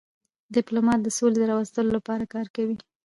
ډيپلومات د سولي د راوستلو لپاره کار کوي.